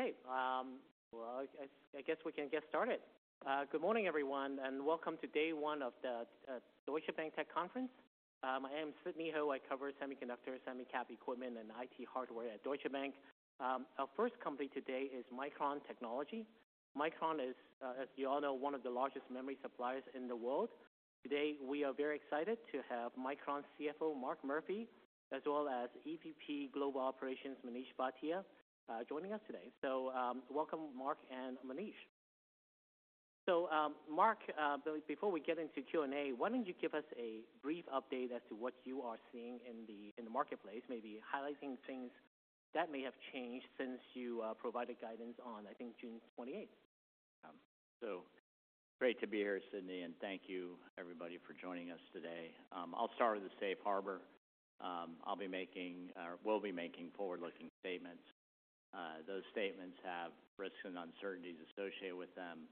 Hey, well, I guess we can get started. Good morning, everyone, and welcome to day one of the Deutsche Bank Tech Conference. I am Sidney Ho. I cover semiconductor, semi-cap equipment, and IT hardware at Deutsche Bank. Our first company today is Micron Technology. Micron is, as you all know, one of the largest memory suppliers in the world. Today, we are very excited to have Micron CFO, Mark Murphy, as well as EVP Global Operations, Manish Bhatia, joining us today. So, Mark, before we get into Q&A, why don't you give us a brief update as to what you are seeing in the marketplace, maybe highlighting things that may have changed since you provided guidance on, I think, June twenty-eighth? So great to be here, Sidney, and thank you, everybody, for joining us today. I'll start with the safe harbor. I'll be making, or will be making forward-looking statements. Those statements have risks and uncertainties associated with them.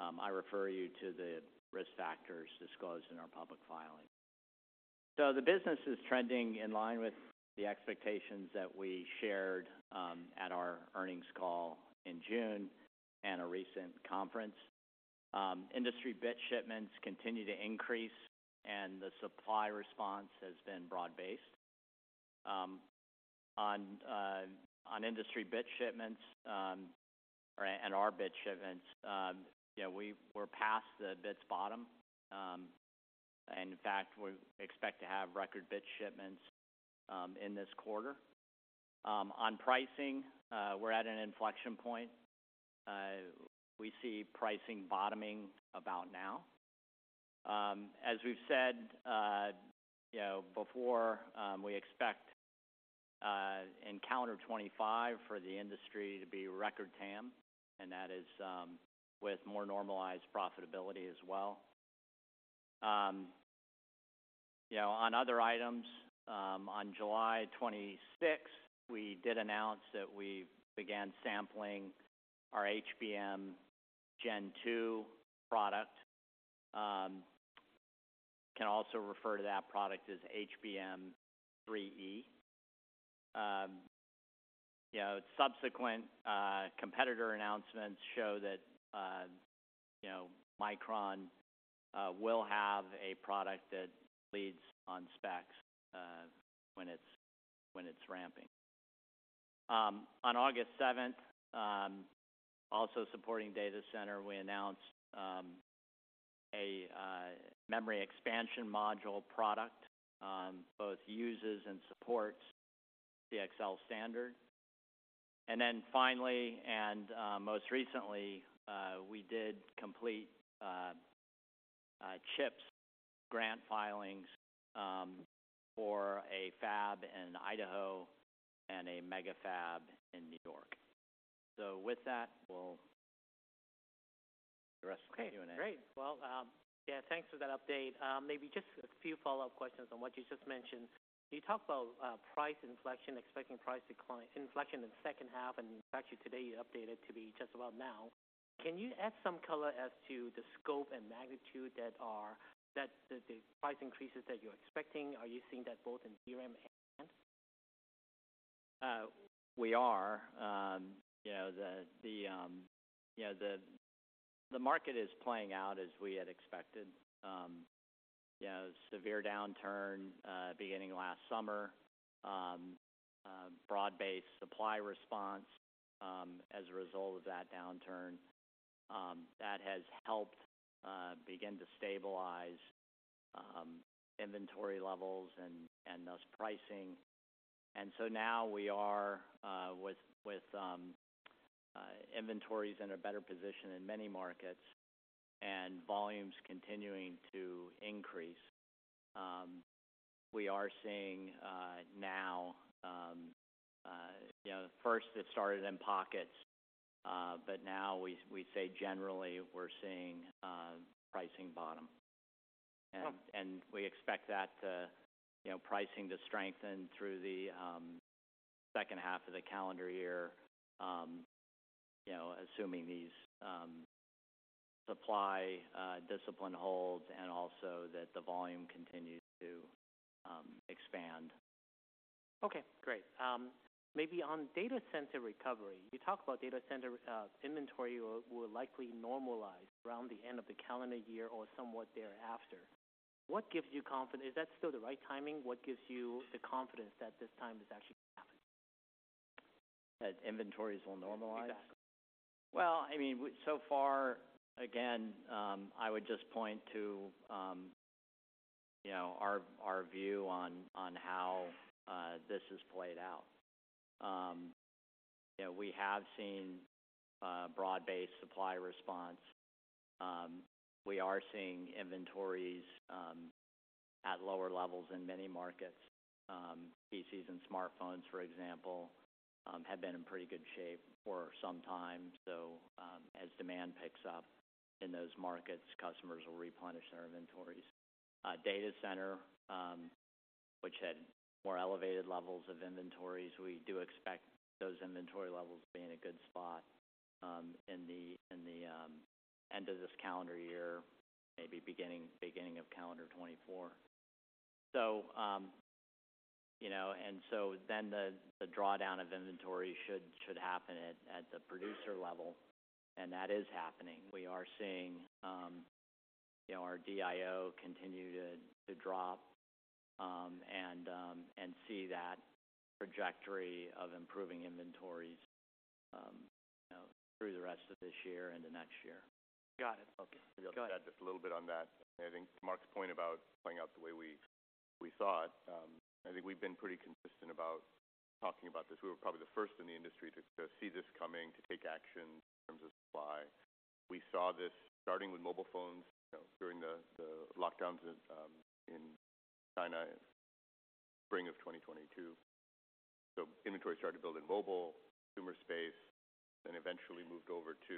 I refer you to the risk factors disclosed in our public filings. So the business is trending in line with the expectations that we shared at our earnings call in June and a recent conference. Industry bit shipments continue to increase, and the supply response has been broad-based. On industry bit shipments and our bit shipments, yeah, we're past the bits bottom. And in fact, we expect to have record bit shipments in this quarter. On pricing, we're at an inflection point. We see pricing bottoming about now. As we've said, you know, before, we expect in calendar 2025 for the industry to be record TAM, and that is with more normalized profitability as well. You know, on other items, on July 26th, we did announce that we began sampling our HBM Gen 2 product. Can also refer to that product as HBM3E. You know, subsequent competitor announcements show that, you know, Micron will have a product that leads on specs when it's ramping. On August 7th, also supporting data center, we announced a memory expansion module product both uses and supports the CXL standard. And then finally, most recently, we did complete CHIPS grant filings for a fab in Idaho and a megafab in New York. So with that, we'll take the rest of the Q&A. Okay, great. Well, yeah, thanks for that update. Maybe just a few follow-up questions on what you just mentioned. You talked about price inflection, expecting price decline, inflection in the second half, and in fact, today you updated to be just about now. Can you add some color as to the scope and magnitude of the price increases that you're expecting? Are you seeing that both in DRAM and- We are. You know, the market is playing out as we had expected. You know, severe downturn beginning last summer, broad-based supply response as a result of that downturn that has helped begin to stabilize inventory levels and thus pricing. And so now we are with inventories in a better position in many markets and volumes continuing to increase. We are seeing now, you know, first it started in pockets, but now we say generally, we're seeing pricing bottom. Okay. We expect that to, you know, pricing to strengthen through the second half of the calendar year, you know, assuming these supply discipline holds and also that the volume continues to expand. Okay, great. Maybe on data center recovery, you talk about data center inventory will likely normalize around the end of the calendar year or somewhat thereafter. What gives you confidence? Is that still the right timing? What gives you the confidence that this time is actually happening? That inventories will normalize? Exactly. Well, I mean, so far, again, I would just point to, you know, our view on how this has played out. You know, we have seen broad-based supply response. We are seeing inventories at lower levels in many markets. PCs and smartphones, for example, have been in pretty good shape for some time. So, as demand picks up in those markets, customers will replenish their inventories. Data center, which had more elevated levels of inventories, we do expect those inventory levels to be in a good spot in the end of this calendar year, maybe beginning of calendar 2024. So, you know, and so then the drawdown of inventory should happen at the producer level, and that is happening. We are seeing, you know, our DIO continue to drop, and see that trajectory of improving inventories, you know, through the rest of this year into next year. Got it. Okay, go ahead. Just a little bit on that. I think Mark's point about playing out the way we saw it. I think we've been pretty consistent about talking about this. We were probably the first in the industry to see this coming, to take action in terms of supply. We saw this starting with mobile phones, you know, during the lockdowns in China in spring of 2022. So inventory started to build in mobile, consumer space, then eventually moved over to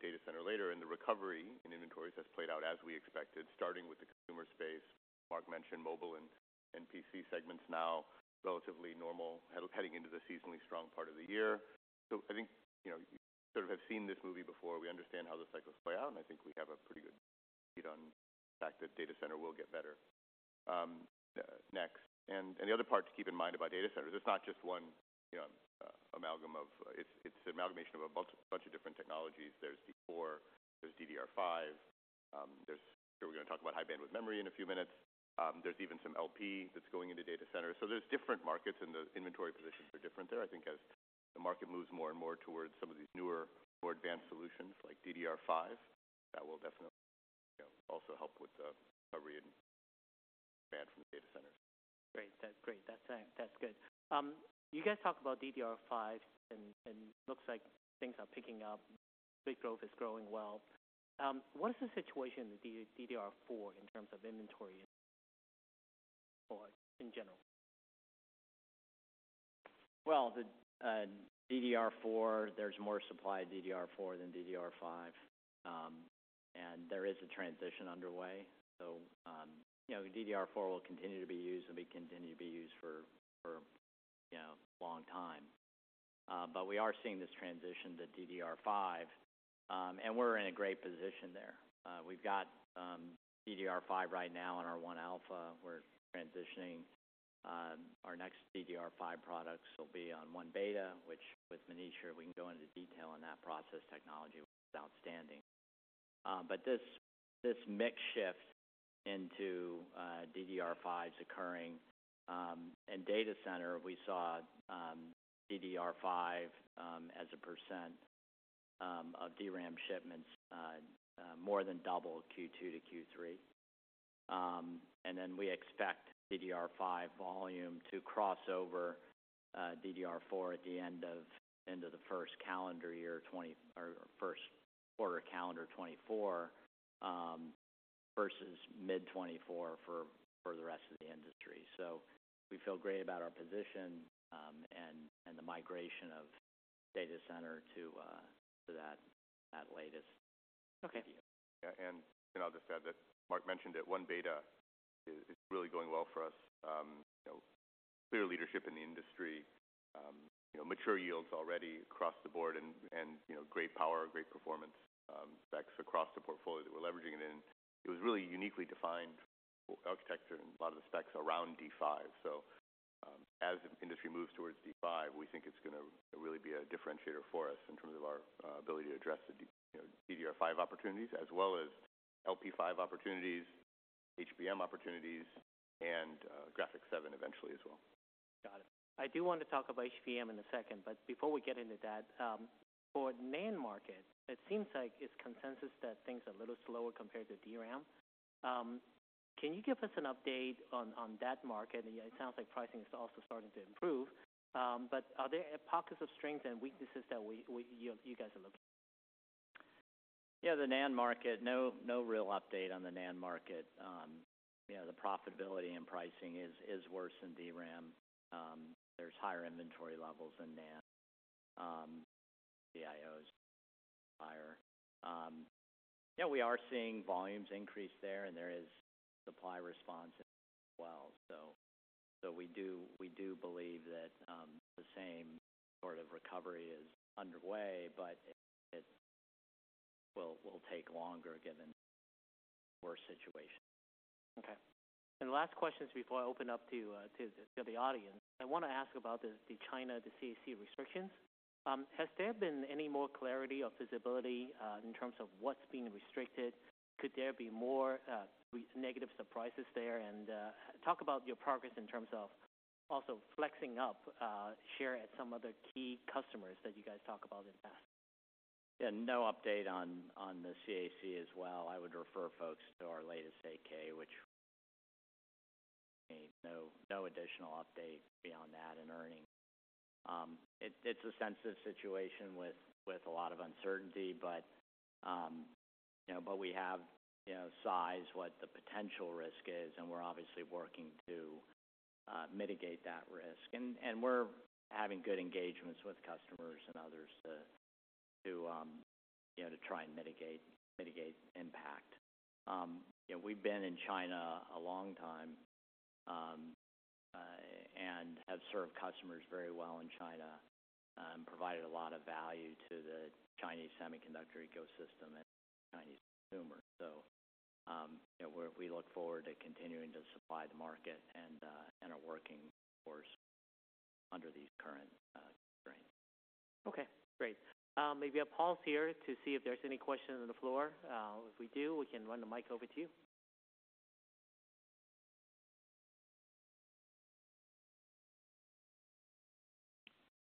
data center later. And the recovery in inventories has played out as we expected, starting with the consumer space. Mark mentioned mobile and PC segments now, relatively normal, heading into the seasonally strong part of the year. So I think, you know, we sort of have seen this movie before. We understand how the cycles play out, and I think we have a pretty good read on the fact that data center will get better next. And the other part to keep in mind about data centers, it's not just one, you know, amalgam of. It's an amalgamation of a bunch of different technologies. There's D4, there's DDR5, there's. We're going to talk about high-bandwidth memory in a few minutes. There's even some LP that's going into data centers. So there's different markets, and the inventory positions are different there. I think as the market moves more and more towards some of these newer, more advanced solutions, like DDR5, that will definitely, you know, also help with the recovery and demand from the data center. Great. That's great. That's good. You guys talk about DDR5, and looks like things are picking up. Big growth is growing well. What is the situation with DDR4 in terms of inventory in general? Well, the DDR4, there's more supply in DDR4 than DDR5, and there is a transition underway. So, you know, DDR4 will continue to be used and will continue to be used for, you know, a long time. But we are seeing this transition to DDR5, and we're in a great position there. We've got DDR5 right now in our 1-alpha. We're transitioning, our next DDR5 products will be on 1-beta, which with Manish here, we can go into detail on that process technology is outstanding. But this mix shift into DDR5 is occurring, and data center, we saw DDR5 as a percent of DRAM shipments more than double Q2 to Q3. And then we expect DDR5 volume to cross over DDR4 at the end of the first calendar year, 2024, or first quarter, calendar 2024, versus mid-2024 for the rest of the industry. So we feel great about our position, and the migration of data center to that latest. Okay. Yeah, I'll just add that Mark mentioned it, 1-beta is really going well for us. You know, clear leadership in the industry, you know, mature yields already across the board and you know, great power, great performance, specs across the portfolio that we're leveraging it in. It was really uniquely defined architecture and a lot of the specs around D5. So, as the industry moves towards D5, we think it's going to really be a differentiator for us in terms of our ability to address the D- you know, DDR5 opportunities, as well as LP5 opportunities, HBM opportunities, and GDDR7 eventually as well. Got it. I do want to talk about HBM in a second, but before we get into that, for NAND market, it seems like it's consensus that things are a little slower compared to DRAM. Can you give us an update on that market? And it sounds like pricing is also starting to improve, but are there pockets of strength and weaknesses that we, you guys are looking? Yeah, the NAND market, no, no real update on the NAND market. You know, the profitability and pricing is, is worse than DRAM. There's higher inventory levels than NAND. DIO is higher. Yeah, we are seeing volumes increase there, and there is supply response as well. So, so we do, we do believe that, the same sort of recovery is underway, but it will, will take longer given worse situation. Okay. And last questions before I open up to the audience. I want to ask about the China, the CAC restrictions. Has there been any more clarity or visibility in terms of what's being restricted? Could there be more negative surprises there? And talk about your progress in terms of also flexing up share at some of the key customers that you guys talk about in the past. Yeah, no update on the CAC as well. I would refer folks to our latest 8-K, which made no additional update beyond that in earnings. It's a sensitive situation with a lot of uncertainty, but you know, we have sized what the potential risk is, and we're obviously working to mitigate that risk. And we're having good engagements with customers and others to try and mitigate impact. You know, we've been in China a long time. And have served customers very well in China, provided a lot of value to the Chinese semiconductor ecosystem and Chinese consumers. So, you know, we look forward to continuing to supply the market and are working, of course, under the current strain. Okay, great. Maybe a pause here to see if there's any questions on the floor. If we do, we can run the mic over to you.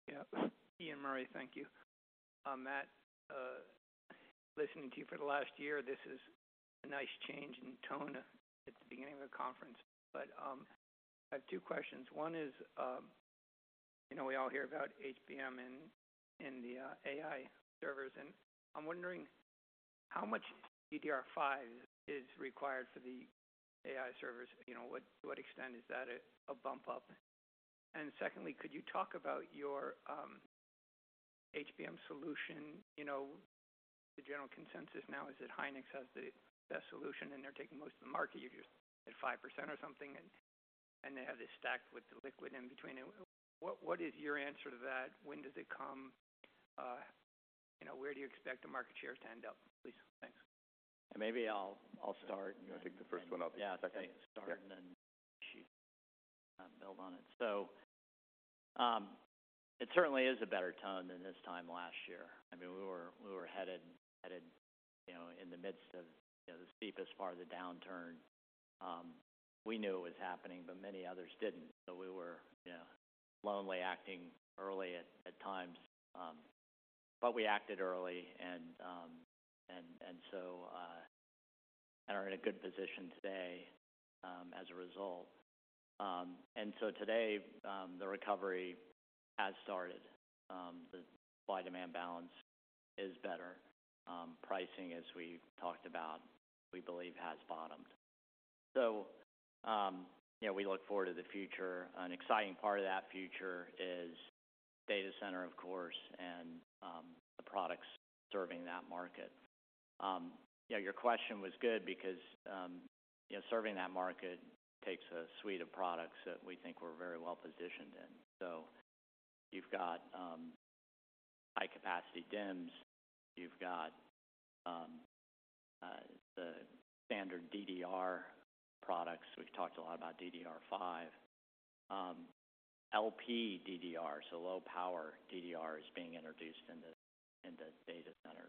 Yeah. Ian Murray, thank you. Mark, listening to you for the last year, this is a nice change in tone at the beginning of the conference. But, I have two questions. One is, you know, we all hear about HBM and, and the, AI servers, and I'm wondering how much DDR5 is required for the AI servers. You know, what, to what extent is that a, a bump up? And secondly, could you talk about your, HBM solution? You know, the general consensus now is that Hynix has the best solution, and they're taking most of the market. You're just at 5% or something, and, and they have this stacked with the liquid in between. What, what is your answer to that? When does it come? You know, where do you expect the market share to end up, please? Thanks. Maybe I'll start. I'll take the first one. Yeah, I think start and then she build on it. So, it certainly is a better tone than this time last year. I mean, we were headed, you know, in the midst of, you know, the steepest part of the downturn. We knew it was happening, but many others didn't. So we were, you know, lonely acting early at times. But we acted early and so are in a good position today, as a result. And so today, the recovery has started. The supply-demand balance is better. Pricing, as we've talked about, we believe, has bottomed. So, you know, we look forward to the future. An exciting part of that future is data center, of course, and the products serving that market. Yeah, your question was good because, you know, serving that market takes a suite of products that we think we're very well-positioned in. So, you've got high-capacity DIMMs, you've got the standard DDR products. We've talked a lot about DDR5. LPDDR, so Low Power DDR is being introduced in the data center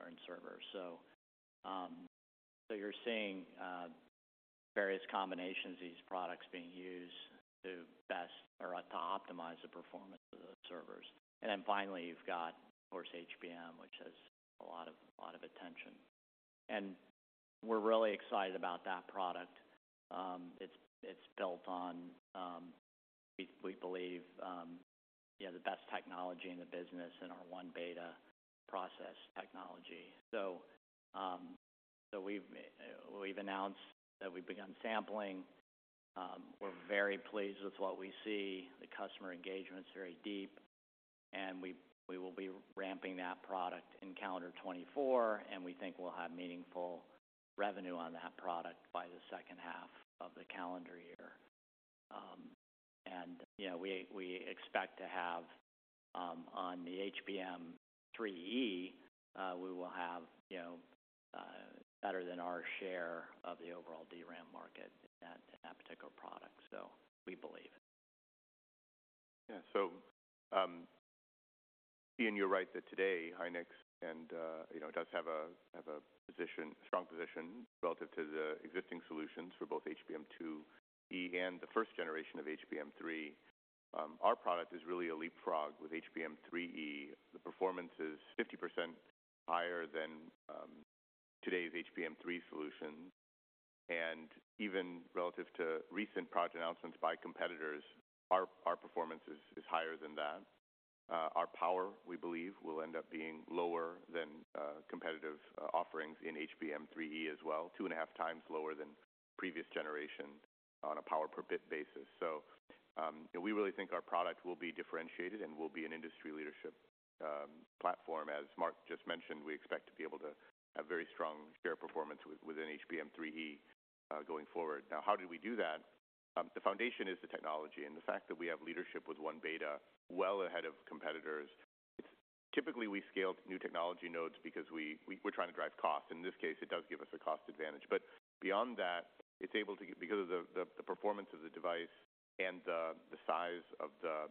or in servers. So, you're seeing various combinations of these products being used to best or to optimize the performance of the servers. And then finally, you've got, of course, HBM, which has a lot of attention, and we're really excited about that product. It's built on we believe the best technology in the business and our 1-beta process technology. So, we've announced that we've begun sampling. We're very pleased with what we see. The customer engagement's very deep, and we will be ramping that product in calendar 2024, and we think we'll have meaningful revenue on that product by the second half of the calendar year. And, you know, we expect to have on the HBM3E, we will have, you know, better than our share of the overall DRAM market in that, in that particular product. So, we believe. Yeah. So, Ian, you're right that today, Hynix and, you know, does have a strong position relative to the existing solutions for both HBM2E and the first generation of HBM3. Our product is really a leapfrog with HBM3E. The performance is 50% higher than today's HBM3 solution, and even relative to recent product announcements by competitors, our performance is higher than that. Our power, we believe, will end up being lower than competitive offerings in HBM3E as well, 2.5 times lower than previous generation on a power-per-bit basis. So, we really think our product will be differentiated and will be an industry leadership platform. As Mark just mentioned, we expect to be able to have very strong share performance within HBM3E going forward. Now, how did we do that? The foundation is the technology and the fact that we have leadership with 1-beta well ahead of competitors. Typically, we scale to new technology nodes because we're trying to drive cost. In this case, it does give us a cost advantage, but beyond that, it's able to... Because of the performance of the device and the size of the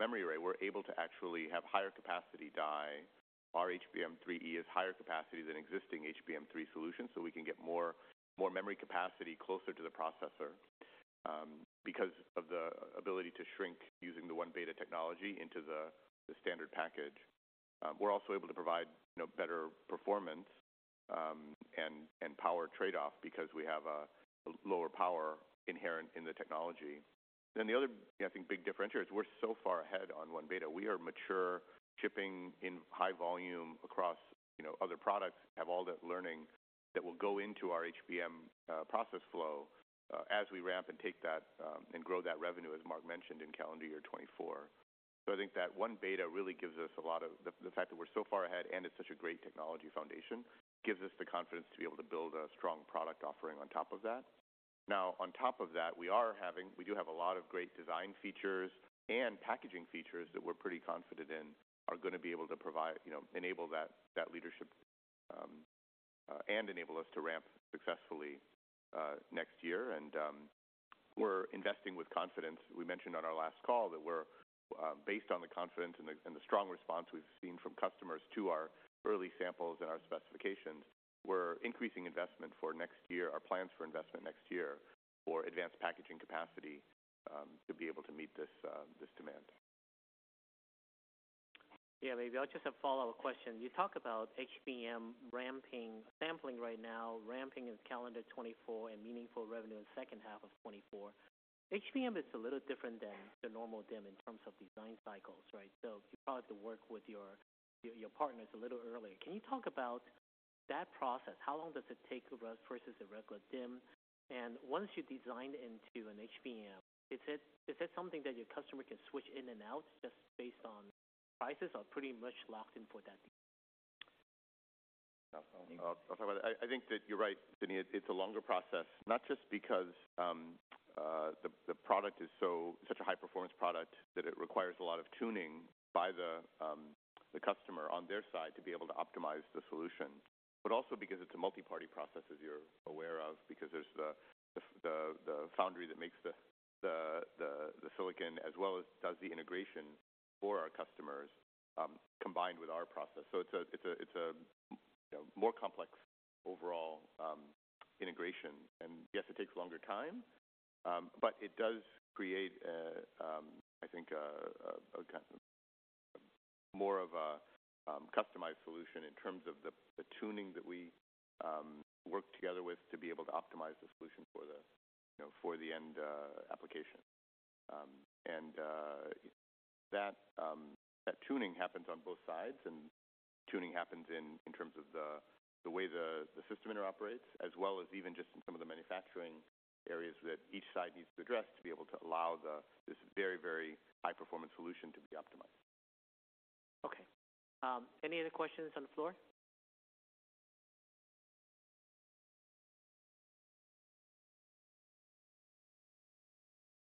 memory array, we're able to actually have higher capacity die. Our HBM3E is higher capacity than existing HBM3 solutions, so we can get more memory capacity closer to the processor, because of the ability to shrink using the 1-beta technology into the standard package. We're also able to provide, you know, better performance, and power trade-off because we have a lower power inherent in the technology. Then the other, I think, big differentiator is we're so far ahead on 1-beta. We are mature, shipping in high volume across, you know, other products, have all that learning that will go into our HBM process flow, as we ramp and take that and grow that revenue, as Mark mentioned, in calendar year 2024. So I think that 1-beta really gives us a lot of the fact that we're so far ahead, and it's such a great technology foundation, gives us the confidence to be able to build a strong product offering on top of that. Now, on top of that, we do have a lot of great design features and packaging features that we're pretty confident in, are going to be able to provide, you know, enable that leadership, and enable us to ramp successfully, next year. And we're investing with confidence. We mentioned on our last call that we're based on the confidence and the strong response we've seen from customers to our early samples and our specifications, we're increasing investment for next year, our plans for investment next year, for advanced packaging capacity, to be able to meet this demand. Yeah, maybe I'll just a follow-up question. You talk about HBM ramping, sampling right now, ramping in calendar 2024, and meaningful revenue in the second half of 2024. HBM is a little different than the normal DIMM in terms of design cycles, right? So, you probably have to work with your, partners a little earlier. Can you talk about that process? How long does it take versus a regular DIMM? And once you've designed into an HBM, is it, is that something that your customer can switch in and out just based on prices, or pretty much locked in for that? I'll talk about it. I think that you're right, Denis. It's a longer process, not just because the product is such a high-performance product, that it requires a lot of tuning by the customer on their side to be able to optimize the solution, but also because it's a multi-party process, as you're aware of. Because there's the foundry that makes the silicon, as well as does the integration for our customers combined with our process. So it's a you know more complex overall integration. Yes, it takes longer time, but it does create a, I think, a more of a customized solution in terms of the tuning that we work together with to be able to optimize the solution for the, you know, for the end application. And that tuning happens on both sides, and tuning happens in terms of the way the system interoperates, as well as even just in some of the manufacturing areas that each side needs to address to be able to allow this very, very high-performance solution to be optimized. Okay. Any other questions on the floor?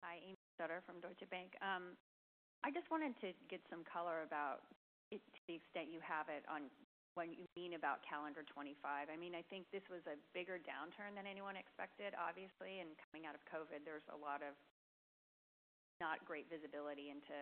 Hi, Amy Sutter from Deutsche Bank. I just wanted to get some color about, to the extent you have it, on what you mean about calendar 2025. I mean, I think this was a bigger downturn than anyone expected, obviously, and coming out of COVID, there's a lot of not great visibility into,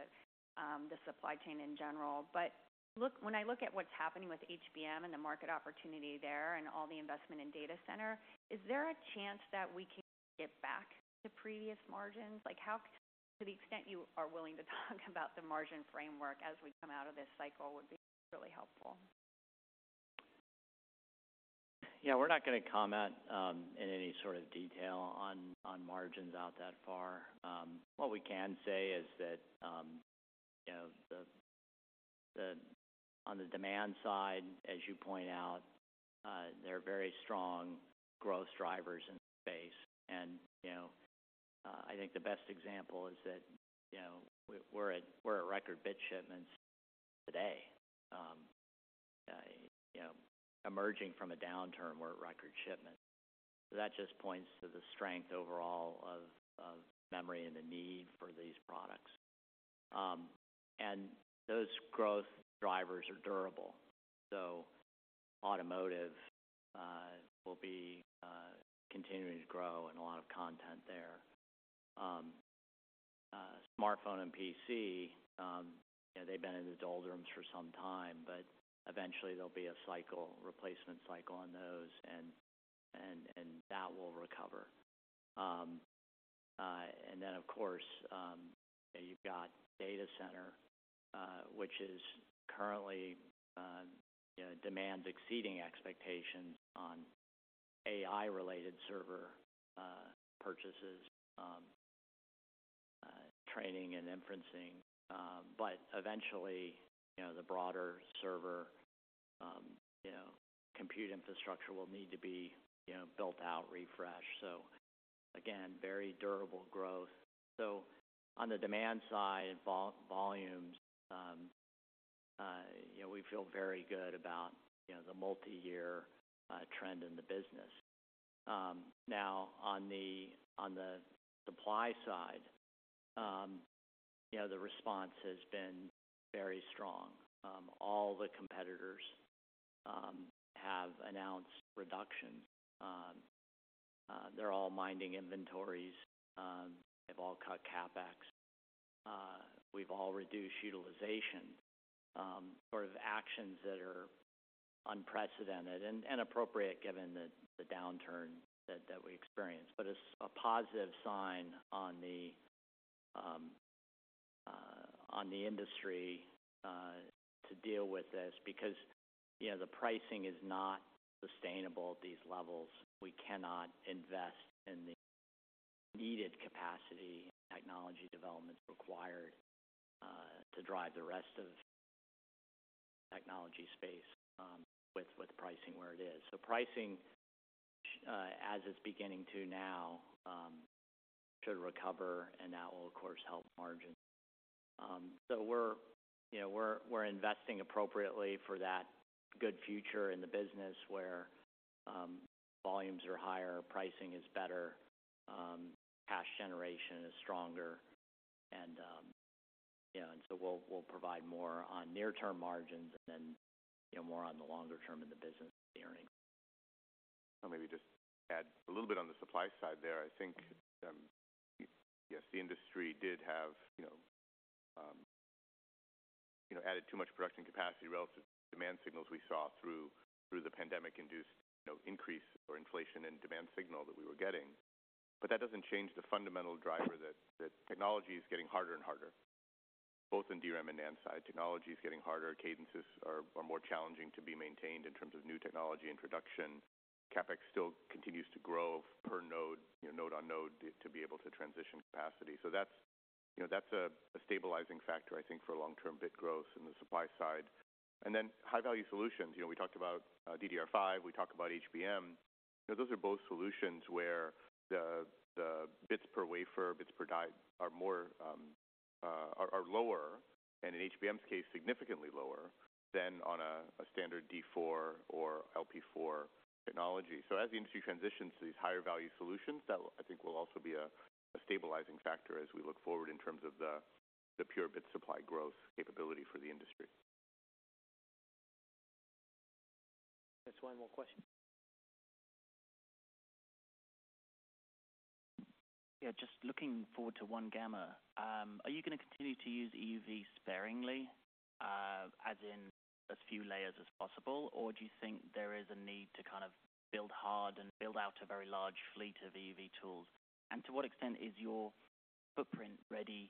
the supply chain in general. But look - when I look at what's happening with HBM and the market opportunity there and all the investment in data center, is there a chance that we can get back to previous margins? Like, how, to the extent you are willing to talk about the margin framework as we come out of this cycle, would be really helpful. Yeah, we're not going to comment in any sort of detail on margins out that far. What we can say is that, you know, on the demand side, as you point out, there are very strong growth drivers in the space. And, you know, I think the best example is that, you know, we're at record bit shipments today. You know, emerging from a downturn, we're at record shipments. So that just points to the strength overall of memory and the need for these products. And those growth drivers are durable, so automotive will be continuing to grow and a lot of content there. Smartphone and PC, you know, they've been in the doldrums for some time, but eventually there'll be a cycle, replacement cycle on those, and that will recover. And then, of course, you've got data center, which is currently, you know, demands exceeding expectations on AI-related server purchases, training and inferencing. But eventually, you know, the broader server, you know, compute infrastructure will need to be, you know, built out, refreshed. So again, very durable growth. So on the demand side, volumes, you know, we feel very good about, you know, the multiyear trend in the business. Now, on the supply side, you know, the response has been very strong. All the competitors have announced reductions. They're all minding inventories. They've all cut CapEx. We've all reduced utilization, sort of actions that are unprecedented and appropriate given the downturn that we experienced. But it's a positive sign on the industry to deal with this because, you know, the pricing is not sustainable at these levels. We cannot invest in the needed capacity and technology developments required to drive the rest of the technology space with pricing where it is. So pricing, as it's beginning to now, should recover, and that will, of course, help margins. So we're, you know, we're investing appropriately for that good future in the business, where volumes are higher, pricing is better, cash generation is stronger. So we'll provide more on near-term margins and then, you know, more on the longer term in the business, the earnings. I'll maybe just add a little bit on the supply side there. I think, yes, the industry did have, you know, you know, added too much production capacity relative to demand signals we saw through the pandemic-induced, you know, increase or inflation in demand signal that we were getting. But that doesn't change the fundamental driver that technology is getting harder and harder, both in DRAM and NAND side. Technology is getting harder; cadences are more challenging to be maintained in terms of new technology introduction. CapEx still continues to grow per node, you know, node on node, to be able to transition capacity. So that's, you know, that's a stabilizing factor, I think, for long-term bit growth in the supply side. And then high-value solutions. You know, we talked about DDR5, we talked about HBM. You know, those are both solutions where the bits per wafer, bits per die, are more, are lower, and in HBM's case, significantly lower than on a standard D4 or LP4 technology. So as the industry transitions to these higher value solutions, that I think will also be a stabilizing factor as we look forward in terms of the pure bit supply growth capability for the industry. There's one more question. Yeah, just looking forward to 1-gamma, are you going to continue to use EUV sparingly, as in as few layers as possible? Or do you think there is a need to kind of build hard and build out a very large fleet of EUV tools? And to what extent is your footprint ready,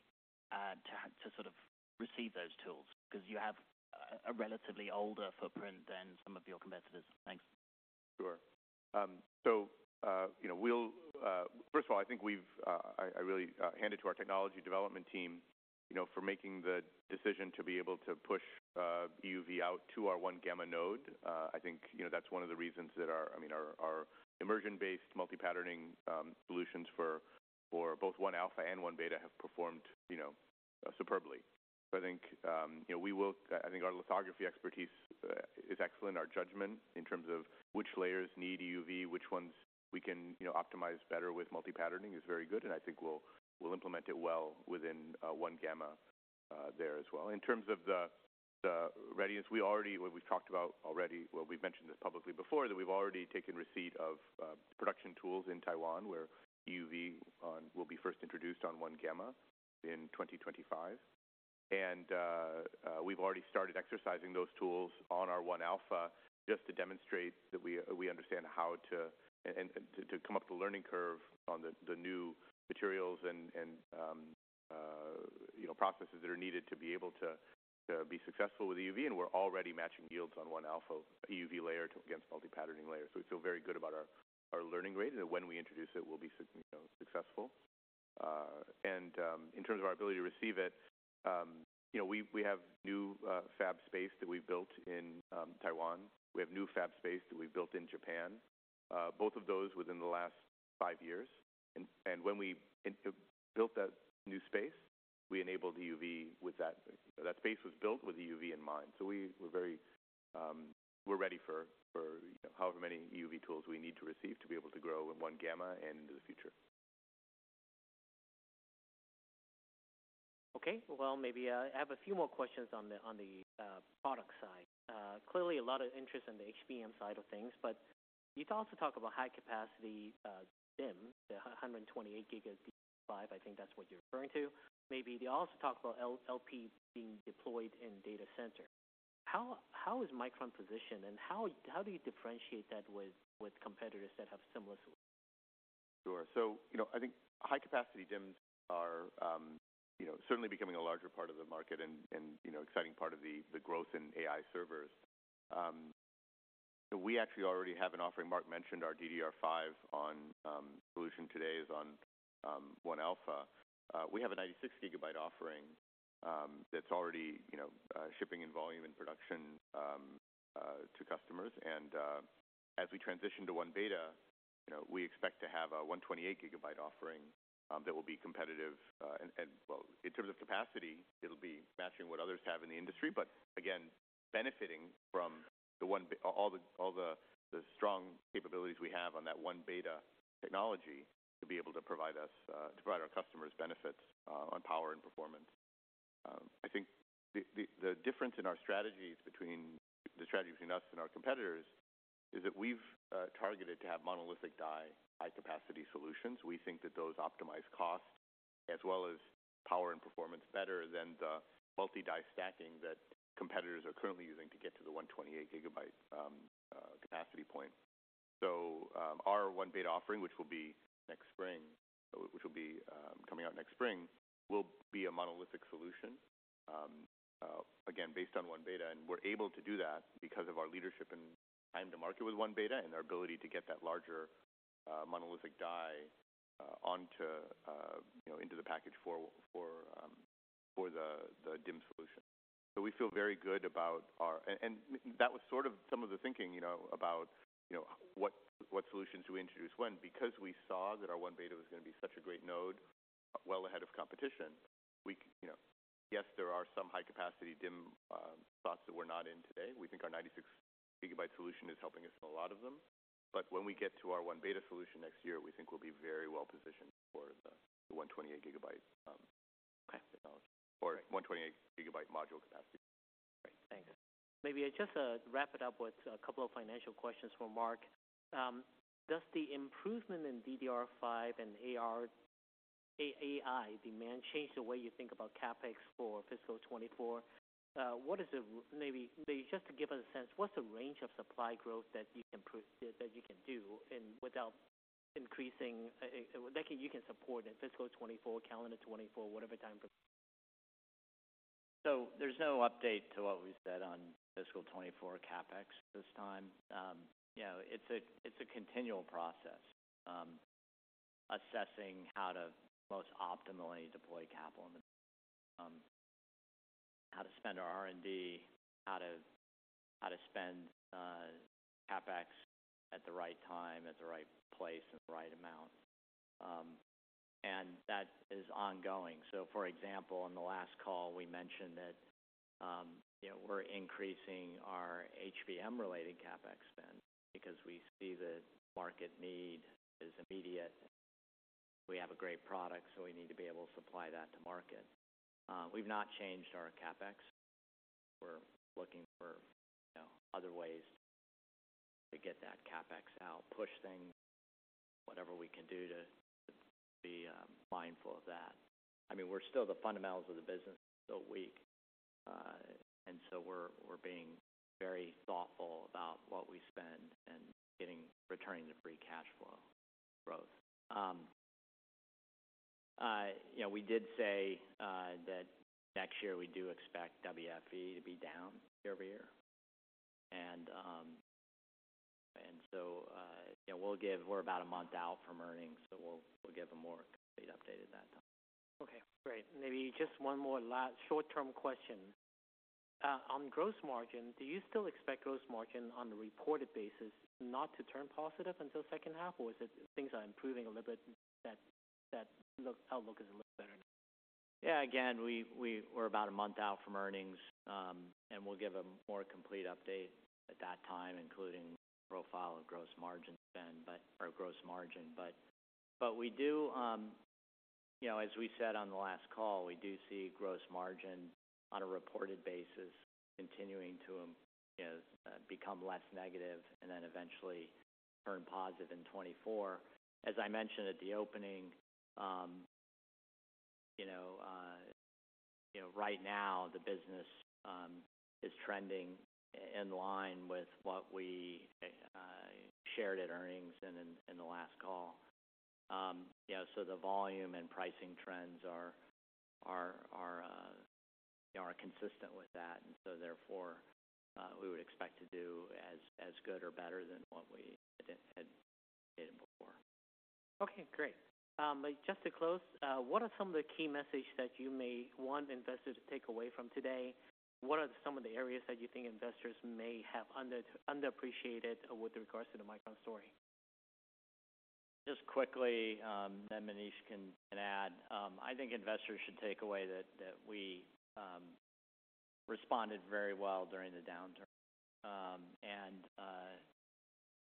to sort of receive those tools, because you have a relatively older footprint than some of your competitors. Thanks. Sure. First of all, I think we really hand it to our technology development team, you know, for making the decision to be able to push EUV out to our 1-gamma node. I think, you know, that's one of the reasons that our, I mean, our immersion-based multi-patterning solutions for both 1-alpha and 1-beta have performed, you know, superbly. I think, you know, we will. I think our lithography expertise is excellent. Our judgment in terms of which layers need EUV, which ones we can, you know, optimize better with multi-patterning is very good, and I think we'll implement it well within 1-gamma there as well. In terms of the readiness, what we've talked about already, well, we've mentioned this publicly before, that we've already taken receipt of production tools in Taiwan, where EUV will be first introduced on 1-gamma in 2025. We've already started exercising those tools on our 1-alpha just to demonstrate that we understand how to and to come up the learning curve on the new materials and you know processes that are needed to be able to be successful with EUV. We're already matching yields on 1-alpha EUV layer against multi-patterning layers. So, we feel very good about our learning rate, and when we introduce it, we'll be you know successful. In terms of our ability to receive it, you know, we have new fab space that we've built in Taiwan. We have new fab space that we've built in Japan, both of those within the last five years. And when we built that new space, we enabled EUV with that. That space was built with EUV in mind. So we were very, we're ready for, you know, however many EUV tools we need to receive to be able to grow in 1-gamma and into the future. Okay, well, maybe I have a few more questions on the product side. Clearly, a lot of interest in the HBM side of things, but you've also talked about high-capacity DIMM, the 128 GB, I think that's what you're referring to. Maybe you also talk about LP being deployed in data center. How is Micron positioned, and how do you differentiate that with competitors that have similar solutions? Sure. So, you know, I think high-capacity DIMMs are, you know, certainly becoming a larger part of the market and, you know, exciting part of the growth in AI servers. So, we actually already have an offering. Mark mentioned our DDR5 1-alpha solution today is on 1-alpha. We have a 96 GB offering, that's already, you know, shipping in volume and production to customers. As we transition to 1-beta, you know, we expect to have a 128 GB offering that will be competitive, and well, in terms of capacity, it'll be matching what others have in the industry, but again, benefiting from the 1-beta—all the strong capabilities we have on that 1-beta technology to be able to provide our customers benefits on power and performance. I think the difference in our strategies between the strategy between us and our competitors is that we've targeted to have monolithic die, high-capacity solutions. We think that those optimize costs as well as power and performance better than the multi-die stacking that competitors are currently using to get to the 128 GB capacity point. So, our 1-beta offering, which will be next spring, which will be coming out next spring, will be a monolithic solution, again, based on 1-beta, and we're able to do that because of our leadership and time-to-market with 1-beta and our ability to get that larger monolithic die onto, you know, into the package for the DIMM solution. So, we feel very good about ours. And that was sort of some of the thinking, you know, about what solutions we introduce when, because we saw that our 1-beta was going to be such a great node, well ahead of competition. We, you know, yes, there are some high-capacity DIMM spots that we're not in today. We think our 96-gigabyte solution is helping us in a lot of them. When we get to our 1-beta solution next year, we think we'll be very well positioned for the 128-gigabyte technology or 128 gigabyte module capacity. Great, thanks. Maybe I just wrap it up with a couple of financial questions for Mark. Does the improvement in DDR5 and AI demand change the way you think about CapEx for fiscal 2024? What is the... Maybe just to give us a sense, what's the range of supply growth that you can do and without increasing that you can support in fiscal 2024, calendar 2024, whatever time? So, there's no update to what we said on fiscal 2024 CapEx this time. You know, it's a continual process, assessing how to most optimally deploy capital, how to spend our R&D, how to spend CapEx at the right time, at the right place, and the right amount. And that is ongoing. So, for example, on the last call, we mentioned that, you know, we're increasing our HBM-related CapEx spend because we see the market need is immediate. We have a great product, so we need to be able to supply that to market. We've not changed our CapEx. We're looking for, you know, other ways to get that CapEx out, push things, whatever we can do to be mindful of that. I mean, the fundamentals of the business is still weak, and so we're being very thoughtful about what we spend and getting returning to free cash flow growth. You know, we did say that next year we do expect WFE to be down year-over-year. And so, you know, we'll give. We're about a month out from earnings, so we'll give a more complete update at that time. Okay, great. Maybe just one more last short-term question. On gross margin, do you still expect gross margin on the reported basis not to turn positive until second half, or is it things are improving a little bit, that outlook is a little better? Yeah, again, we're about a month out from earnings, and we'll give a more complete update at that time, including profile of gross margin spend, but or gross margin. But we do, you know, as we said on the last call, we do see gross margin on a reported basis, continuing to, you know, become less negative and then eventually turn positive in 2024. As I mentioned at the opening, you know, you know, right now, the business is trending in line with what we shared at earnings and in the last call. Yeah, so the volume and pricing trends are consistent with that, and so therefore, we would expect to do as good or better than what we had did before. Okay, great. Just to close, what are some of the key messages that you may want investors to take away from today? What are some of the areas that you think investors may have underappreciated with regards to the Micron story? Just quickly, then Manish can add. I think investors should take away that, that we responded very well during the downturn, and,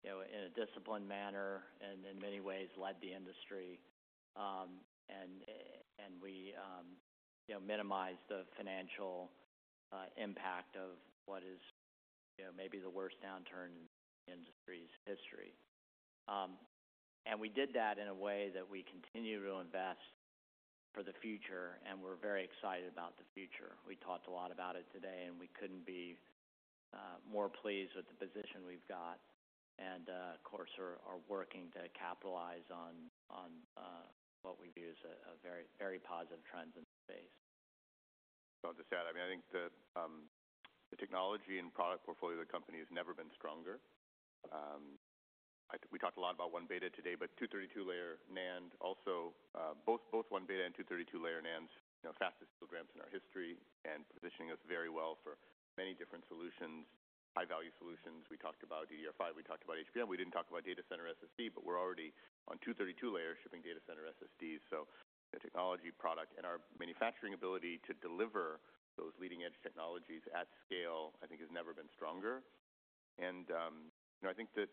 you know, in a disciplined manner and in many ways led the industry, and, and we, you know, minimized the financial impact of what is, you know, maybe the worst downturn in the industry's history. And we did that in a way that we continue to invest for the future, and we're very excited about the future. We talked a lot about it today, and we couldn't be more pleased with the position we've got, and, of course, are working to capitalize on, on what we view as a very, very positive trends in the space. Just to add, I mean, I think the technology and product portfolio of the company has never been stronger. I think we talked a lot about 1-beta today, but 232-layer NAND also, both 1-beta and 232-layer NANDs, you know, fastest programs in our history and positioning us very well for many different solutions, high-value solutions. We talked about DDR5, we talked about HBM, we didn't talk about data center SSD, but we're already on 232-layer shipping data center SSDs. So the technology product and our manufacturing ability to deliver those leading-edge technologies at scale, I think has never been stronger. And you know, I think the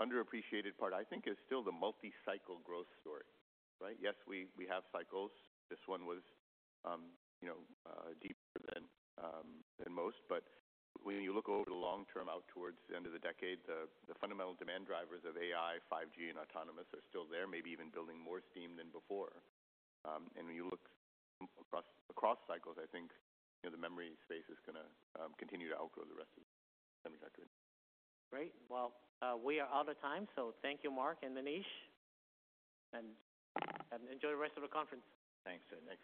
underappreciated part, I think, is still the multi-cycle growth story, right? Yes, we have cycles. This one was deeper than most. But when you look over the long term, out towards the end of the decade, the fundamental demand drivers of AI, 5G, and autonomous are still there, maybe even building more steam than before. And when you look across cycles, I think, you know, the memory space is going to continue to outgrow the rest of the semiconductor. Great. Well, we are out of time, so thank you, Mark and Manish, and enjoy the rest of the conference. Thanks. Thanks, everyone.